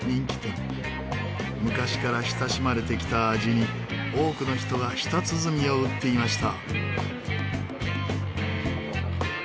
昔から親しまれてきた味に多くの人が舌鼓を打っていました。